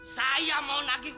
saya mau nagih uang ke sini